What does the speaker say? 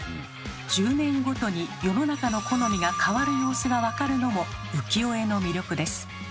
１０年ごとに世の中の好みが変わる様子が分かるのも浮世絵の魅力です。